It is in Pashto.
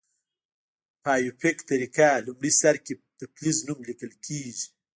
په آیوپک طریقه لومړي سر کې د فلز نوم لیکل کیږي.